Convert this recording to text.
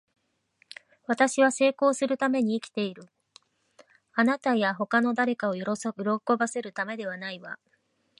私は成功するために生きている。あなたや他の誰かを喜ばせるためではないわ。